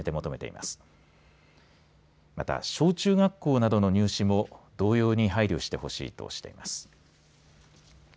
また小中学校などの入試も同様に配慮してほしいとしています。